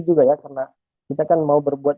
juga ya karena kita kan mau berbuat